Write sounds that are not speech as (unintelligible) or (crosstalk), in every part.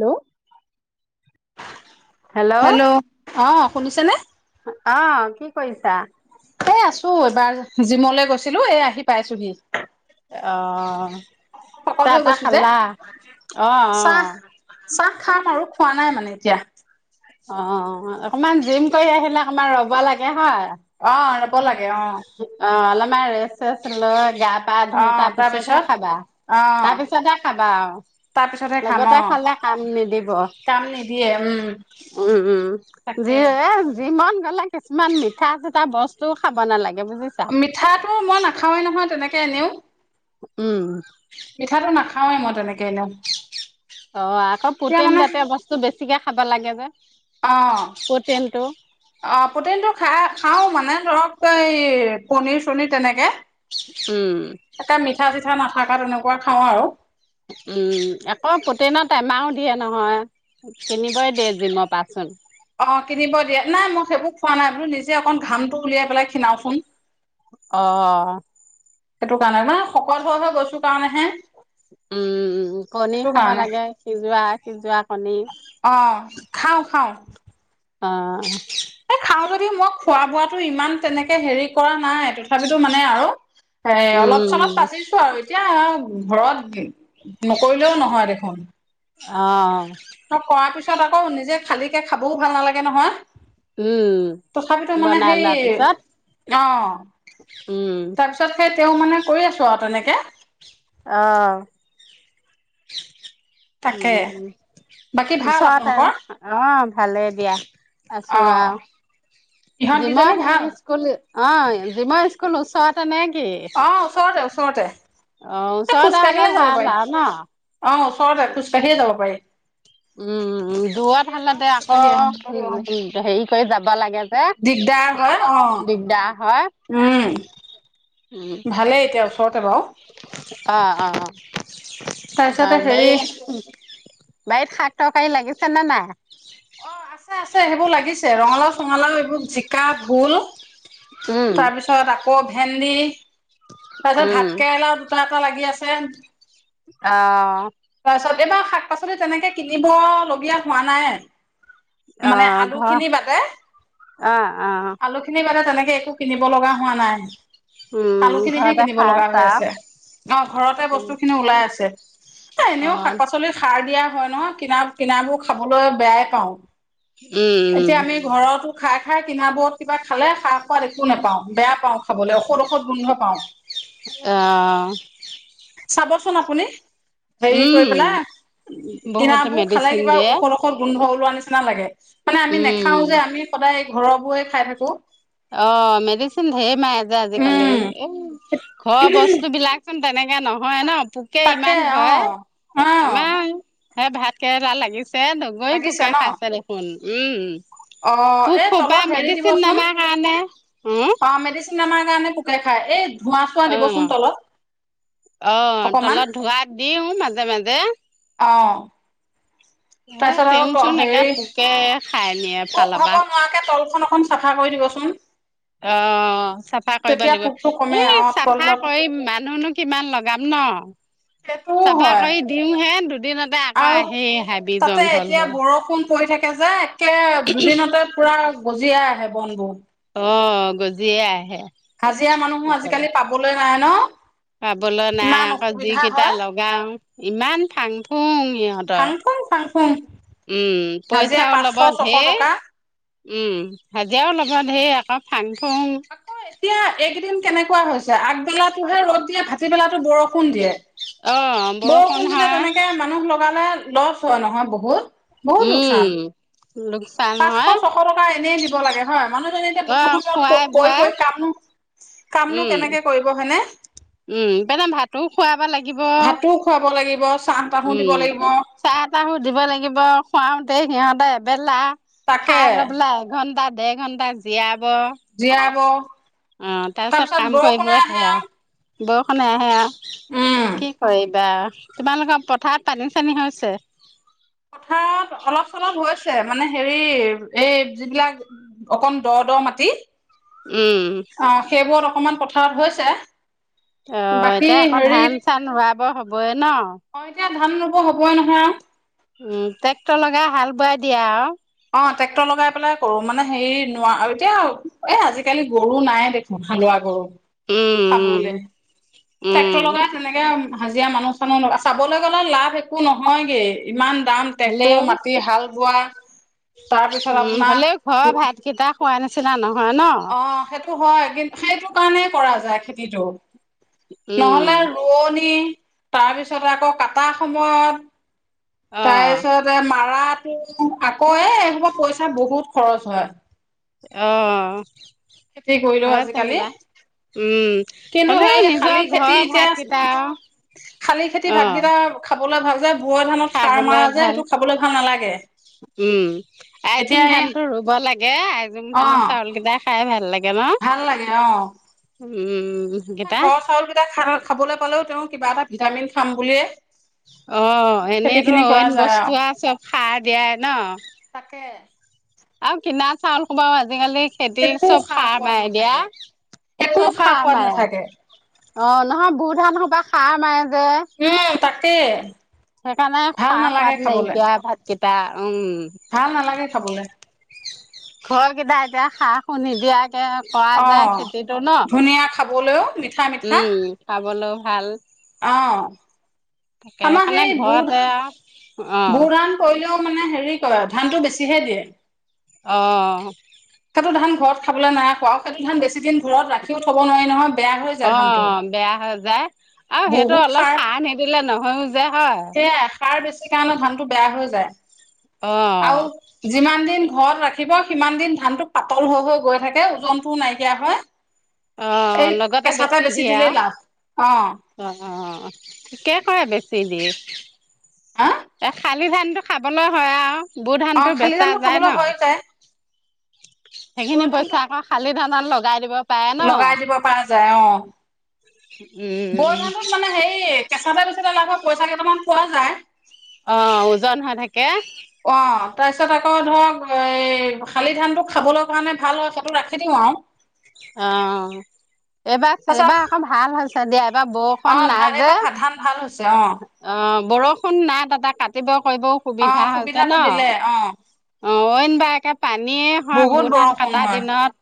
Hello hello অ শুনিছেনে? অ কি কৰিছা? এ আছো এবাৰ জিমলে গৈছ ছিলো। এ আহি পাইছোহি। অহ শকত চাহ হৈ তাহ গৈছো যে খালা? অ' চাহ অ'। চাহ খাম আৰু খোৱা নাই মানে এতিয়া অ অকমান জিম কৰি আহিলে অকমান ৰব লাগে হয়? অ' ৰব লাগে অ'। (unintelligible) ৰেচ চেছ লৈ গা পা অ ধৰি তাৰ পিছতহে তাৰপিছত খাবা। অ তাৰ পিছতহে খাবা আৰু। তাৰপিছতহে খাম অ লগতে খালে কাম নিদিব। কাম নিদিয়ে উম উম উম যি তাকে এ যি মন (unintelligible) কিছুমান মিঠা চিঠা বস্তু খাব নালাগে। বুজিছা। মিঠাটো মই নাখাওৱে নহয় তেনেকে কেনেও উম। খাওঁৱেই মই তেনেকে এনেও। অ আকৌ এতিয়া পুটিন জাতীয় বস্তু বেছিকে খাব লাগে যে। অঁ প্ৰটিনটো অঁ প্ৰটিনটো খা খাওঁ মানে ধৰক এই পনিৰ চনিৰ তেনেকে। উম। থাকা তেনেকুৱা খাওঁ আৰু। উম। আকৌ পটিনত টেমাও দিয়ে নহয়। কিনিবই দিয়ে জিমৰ পা চোন। অ কিনিব দিয়ে। নাই মই সেইবোৰ খোৱা নাই বোলো নিজে অকণ ঘামটো উলিয়াই পেলাই খিনাওচোন। অহ। সেইটো কাৰণে মানে শকত হৈ হৈ গৈছো কাৰণে হে। উম কণী সেইটো খাব লাগে। সিজোৱা - সিজোৱা কণী। অ খাওঁ খাওঁ। অ'। আৰু যদি মই খোৱা বোৱাটো ইমান তেনেকে হেৰি কৰা নাই তথাপিতো মানে আৰু এ অলপ চলপ উম, বাচিছো আৰু এত এতিয়া ঘৰত নকৰিলেও নহয় দেখোন অ অ কৰাৰ পিছত আকৌ নিজে খালীকে খাবও ভাল নালাগে নহয় উম। তথাপিতো মানে বনাই সেই লোৱাৰ পিছত অ উম, তাৰপিছত সেই তেওঁ মানে কৰি আছো আৰু তেনেকে অ উ তাকে বাকী ভাল ওচতে আপোনালোকৰ অ ভালেই দিয়া আছো অ আৰু ইহঁত জিম কেইজনী ভাল সেই স্কুল অ জিমৰ স্কুল ওচৰত তেনে অ ওচৰতে ওচৰতে অ', ওচৰতে হ'লে খোজকাঢ়িয়ে যাব ভাল পাৰি আৰু ন? অ ওচৰতে খোজকাঢ়িয়ে যাব পাৰি উম দূৰত খোজকাঢ়িয়ে হলে যাওঁ দে আকৌ খোজকাঢ়ি আহো হেৰি কৰি যাব লাগে যে দিগদাৰ হয় অ দিগদাৰ হয় উম ভালে এতিয়া ওচৰতে বাৰু অঁ অঁ অ তাৰপিছতে বাৰু বে হেৰি বাৰীত শাক তৰকাৰি লাগিছে নে নাই? অ আছে সেইবোৰ লাগিছে ৰঙালাও চঙালাও এইবোৰ জিক কা ভোল উম তাৰপিছত আকৌ ভেন্দি তাৰপিছত উম ভাত কেৰেলা দু তাত দুটা লাগি আছে আহ তাৰপিছত এইবাৰ শাক পাচলি তেনেকে কিনিব লগীয়া হোৱা নাই অ মানে ঘৰ আলুখিনি বাদে অ অ আলুখিনি বাদে তেনেকে একো কিনিব লগা হোৱা নাই উম আলু খিনিহে ঘৰতে কিনিব খাই লগা হৈ আছা আছে অ ঘৰতে উম বস্তু খিনি ওলাই আছে অ এনেও শাক পাচলিত সাৰ দিয়া হয় নহয় কিনা কিনাবোৰ খাবলৈ বেয়াই পাও উম উম খাই খাই কিন বোৰত কিবা খালে সা সোৱাদ একো নোপাওঁ বেয়া পাওঁ খাবলৈ ঔষধ ঔষধ গোন্ধ পাওঁ আহ চাবচোন আপুনি হেৰি কৰি পেলাই বহুত কিনাবোৰ খালে মেডিচিন কিবা দিয়ে ঔষধ ঔষধ গোন্ধ লোৱা নিচিনা লাগে মানে আমি নাখাও উম যে আমি সদায় ঘৰ বোৰে খাই থাকো অ মেডিচিন ধে মাই যে উম আজিকালি এ ঘৰ বস্তু বিলাক তেনেকে তেনেকে নহয় ন তাক পোকে ইমান তাকে অ ধৰে অ আমাৰ এই ভাত কেৰেলা লাগিছে হেতো গৈ লাগিছে পোকে ন খাইছে দেখোন উম অ পোক এই সোপা তলত হেৰি মেডিচিন দিবচোন নামাৰ কাৰণে উম অ মেডিচিন আমাৰ কাৰণে পোকে খাই এই ধোঁৱা চোৱা অ দিবচোন তলত আহ অকমান তলত ধুৱা দিও মাজে মাজে অ এ তাৰপিছত আৰু তেওঁ ত চুন এডাল হেৰি পোকে খাই নিয়ে পোক এফালৰ খাব পৰা নোৱাৰাকে তলখন অকন চাফা কৰি দিবচোন অ চাফা কৰিব তেতিয়া লাগিব পোকটো কমে এই অ চাফা তলত কৰি মানুহনো কিমান লগাম ন সেইটোও চাফা হয় কৰি দিওহে দিনতে আকৌ আৰু আহি হাবি তাতে জংঘল এতিয়া হল বৰষুণ পৰি থাকে যে সেয়া দুদিনতে পুৰা গজি আহে ব বত অ গজিয়ে আহে অহ না ন খাবলৈ নাই ইমান আকৌ অসুবিধা যিকেইটা হয় লগাও ইমান ফাং ফুং সিহঁতৰ ফাং ফুং ফাং ফুং উম হাজিৰা পইচাও পাঁচশ ল'বও ছশ ধেই টকা উম হাজিৰাও ল'ব হে আ একৌ ফাং ফুং এতিয়া এইকেইদিন কেনেকুৱা হৈছে আগবেলাতোহে ৰ'দ দিয়ে ভাটিবেলাতো বৰষুণ দিয়ে অ বৰষুণ দিলে হয় তেনেকে মানুহ লগালে লচ হয় নহয় বহুত বহুত উম লোকচান লোকচান পাঁচশ, হয় ছশ টকা এনেই দিব লাগে হয় মানুহজনী এতিয়া অ বৰষুণত খোৱাই কৈ বোৱাই কৈ কামনো কামনো উম কেনেকে কৰিব হয়নে উম পিনে ভাতো খুৱাব লাগিব ভাতো খুৱাব লাগিব চাহ তাহো দিব উম লাগিব চাহ তাহোু দিব লাগিব খুৱাওতে সিহঁত এবেলা তাকে খাই জাবলে এঘন্টাত দেৰ ঘণ্টা জীয়াত জীয়াব অ তাৰপিছত কাম কৰিব বৰষুণে আহে সেয়া আৰু বৰষুণে আহে উম আৰু কি কৰিবা তোমালোকৰ পথাৰত পানী চানী হৈছে পথাত অলপ চলপ হৈছে মানে সে হেৰি এই যিবিলাক অকন দ দ মাটি উম অ সেইবোৰত অকমান পথাৰত হৈছে অ বাকী এতিয়া আকৌ ধান হেৰিত চান ৰোৱাব হবয়ে ন অ এতিয়া ধান ৰুব হবই নহয় উম ট্ৰেক্টৰ লগাই হাল বোৱাই দিয়ে আও অ ট্ৰেক্টৰ লগাই পেলাই কৰো মানে হেৰি নোৱাৰ এতিয়া এ আজিকালি গৰু নাই দেখোন হালোৱা গৰু উম উম পাবলৈ উম ট্ৰেক্টৰ লগাই তেনেকে হাজিৰা মানুহ চানুহ চাবলৈ গলে লাভ একো নহয়গেই ইমান টান হলেও ট্ৰেক্টৰৰ মাটি হাল বোৱা তাৰ পিছত উম আপোনাৰ হ'লেও‌ খোৱা ভাত কেইটা খোৱাই নেছিলা নহয় ন অ সেইটো হয় কিন্তু সেইটো কাৰণে কৰা যায় খেতিটো উম নহলে ৰোৱনী তাৰপিছতে আকৌ কটাৰ সময়ত তাৰপিছতে মাৰাত আকৌ এ', এখুপা পইচা বহুত খৰচ হয়। আহ', খেতি কৰিলেও হয় আজিকালি তেনিবা উম', কিন্তু হলেও সেই শালি নিজৰ খেতি ঘৰ এতিয়া ভাতকেইটা আহ', বুৱা ধানত সাৰ খাবলৈ মাৰা যে ভাল সেইটো খাবলৈ ভাল নালাগে। উম', আইজুং এতিয়া এই ধান টো ৰুব লাগে আইজোং অ ধানৰ চাউল কেইটা খাই ভাল লাগে ভাল লাগে অহ ', উম', -উম ', ঘৰৰ চাউল কেইটা খা খাবলৈ পালেও তেওঁ কিবা এটা ভিটামিন খাম বুলিয়ে অ', খেতি এনেইতো খিনি কৰা অইন যায় বস্তু আৰু আ চব সাৰ দিয়াই ন? তাকে আৰু কিনা চাউল কোবাও আজিকালি খেতি একো চব খা সাৰ সোৱাদ মাৰে নাথাকে। দিয়া একো চব খা সাৰ সোৱাদ মাৰে নাথাকে অ', নহয় বু ধান স পৰা সাৰ মাৰে যে। তাকেই সেইকাৰণে খা সোৱাত নাইকিয়া ভাতকেইটা উম', ভাল নালাগে খাবলে। ঘৰ কেইটা এতিয়া খাহ শুনি দিয়া সেয়া, কৰা যায় অঁ খেতিটো ন ধুনীয়া খাবলৈও মিঠা মিঠা উম', খাবলৈ ভাল অ', তাকে সেইকাৰণে ঘৰতে আৰু গু ধান কৰিলেও মানে হেৰি কৰেয় ধানতটো বেছিহে দিয়ে। অঁ', সটো ধান ঘৰত খাবলৈ নাই খোৱাও সেইটো ধান বেছি দিন ঘৰত ৰাখিও থ'ব নোৱাৰি নহয়। বেয়া হৈ যায় ধানটো অ', বেয়া হৈ যায় আৰু সেইটো বহুত অলপ সাৰ খাৰ নেদিলে নহয়ও যে হয়। সেইকাৰণে ধানতটো বেয়া হৈ যায় অ আৰু যিমান দিন ঘৰত ৰাখিব সিমান দিন ধানটো পাতল হৈ- হৈ গৈ থাকে ওজনতটোও নাইকিয়া হয়। অ এই লগতে কেঁচাতেটা বেছি দিয়ে দিলেই আৰু লাভ। অঁ অ ', -অ ', ঠিকে কৰে বেছি দিয়ে? (inaudible) হা এ খালি ধান টো খাবলৈ হয় আৰু বু অঁ ধানটো খালি বেচা ধানটো যায় ন। খাবলৈ হৈ যায় সেইখিনি বৈ পইচা ধানটোত আকৌ খালি ধানত লগাই দিব পাৰে ন লগাই দিব পৰা যায় অ ব উম ধানটোত মানে হেৰি কেঁচাতে বেচিতে লাভৰ পইচা কেইটামান পোৱা যায় অ ওজন হৈ থাক কে অ', তাৰপিছত আকৌ ধৰক এ শালি ধানটো খাবলৈ কাৰণে ভাল হয় সটো ৰাখি দিওঁ আও অ এইবাৰ তাৰপাছত এইবাৰ অকৌ ভাল হৈছ ত দে ত বৰষুণ অ', নাই ভাল যে এইবাৰ ভা- ধান ভাল হৈছে অ বৰষুণ নাই তাতে কাটিব কৰিবও অ', সুবিধা হৈছে ন সুবিধাটো দিলে অ', অইন বা এটা পানীয়ে হয় বহুত বুৰ ধান বৰষুণ কটা হয়। দিনত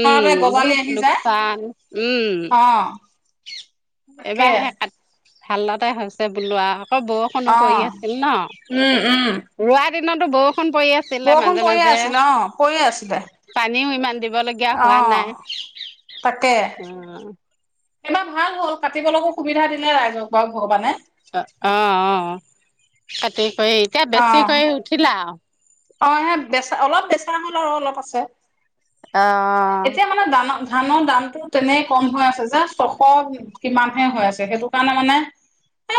উম গজালি বহুত আহি যায় লোকচান উম অ', তাকে এবাৰ সে কাট ভালতে হৈছে বোলো আও আকৌ বৰষুণো পৰি অ', আছিল ন উম, উম। ৰোৱাত দিনতো বৰষু পৰি আছিলে বৰষুণ মাজে পৰিয়ে মাজে আছিলে অ', পৰিয়ে আছিলে পানীও ইমান দিব লগীয়া হোৱা অ', নাই তাকে উ এইবাৰ ভাল হ'ল কাটিবলৈকো সুবিধা দিলে ৰাইজক বাৰু ভগৱানে অ অ অ কাতি এতিয়া অ বেছি কৈ উঠিলা অ বেচা অলপ বেচা হ'ল আৰু অলপ আছে আহ এতিয়া মানে দান ধানৰ দামটো তেনেই কম হৈ আছে যাচ ছশ কিমানহে হৈ আছে সেইটো কাৰণে মানে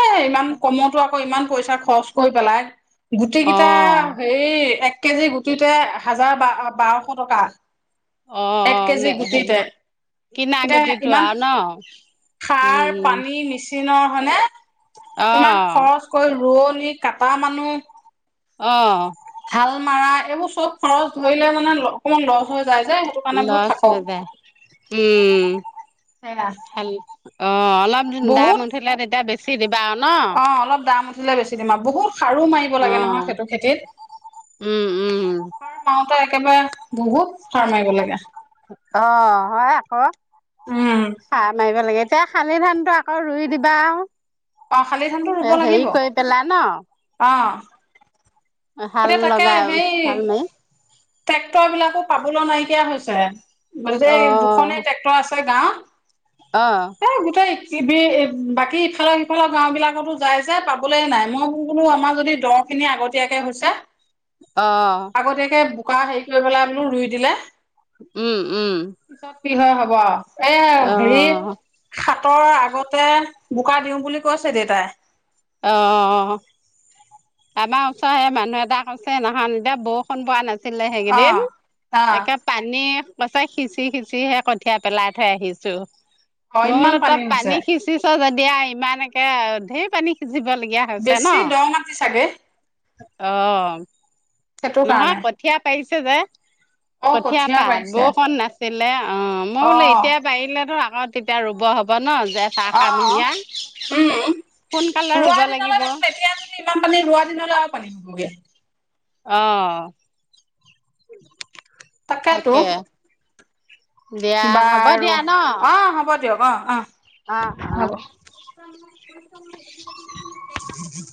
এ ইমান কমতো আকৌ ইমান পইচা খৰচ কৰি পেলাই গোটেই কেইটা অ', হেৰীত এক কেজি গুটিতে হাজাৰ বাৰশ টকা অ এক কেজি হেৰি গুটিতে কিনা এতিয়া গুটিটো ইমান আৰু ন উম চীনৰ হয়নে ইমান অ', খৰচ কৰি ৰদ কিনি কাটা মানুহ অ হাল মাৰাএইবোৰ চব খৰচ ধৰিলে মানে অকমান লছ হৈ যায় যে সেইটো কাৰণে বোলো লাচ থাকক আতে উম সেয়া অ অ অলপ দাম বহুত উঠিলে তেতিয়া বেছি (inaudible) বও ন অ অলপ দাম বেছি দিম আৰু সাৰো মাৰিব লাগে নহয় অ', সেইটো খেতিত উম, উম। সাৰ মাৰোতে একেবাৰে বহুত সাৰ মাৰিব লাগে অ হয় আকৌ উম চাহ মাৰিব লাগে এয়া শালি ধানটো আকৌ ৰুই দিবা আৰু অ শালি থানটো ৰুব হেৰি লাগিব কৰি পেলাই ন? অ হাল এতিয়া তাকে লগা সেই হাল মাই ট্ৰেক্টৰ বিলাকো পাবলৈ নাইকিয়া হৈছে দুখনেই ট্ৰেক্টৰ আছে গাঁৱত আহ এ গোটেই বাকী ইফালে সিফালে গাও বিলাকতো যাই যে পাবলৈ নাই মই বোলো আমাৰ যদি দ খিনি আগতীয়াকে হৈছে অ', আগতীয়াকে বোকা হেৰি কৰি পেলাই বোলো ৰুই দিলে উম উম পিছত কি হয় হব এ হেৰি অ', সাত তৰ আগতে বোকা দিওঁ বুলি কৈছে দেউতাই অ আমাৰ ওচৰেৰে মানুহ এটাক কৈছে নখনা এতিয়া বৰষুণ পোৱা নাছিল ছিলে অ সেইকেইদিন অ একে পানী পাই সিঁচি সিঁচিহে কঠিয়ীয়া পেলাই থৈ আহিছো অ মই ইমান বোলো ত হৈছে পানী সিঁচিছ যদি দিয়া ইমানকে ঢেৰ পানী সিঁচিবলগীয়া হৈছে ন বেছি দ মাটি চাগে অ সেইটো নহয় কাৰণে কঠীয়া পাৰছো (unintelligible) অ কঠিয়া কঠীয়া পাত পাৰিছে বৰকণ নাছিলে অ মই অ বোলো এতিয়া পাৰিলে তো আগত তেতিয়া ৰুব হ'ব ন ছ অ আশা নহয়া উম কোন ৰুব ৰোৱা দিনলৈ লাগিব দেখোন এতিয়া যদি ইমান পানী ৰোৱা দিনলৈ আৰু পানী হবগে উমম তাকেতো তাকে দিয়া হ'ব বাৰু অঁ হ'ব দিয়ক অঁ অঁ অঁ অঁ উমম